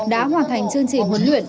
đã hoàn thành chương trình huấn luyện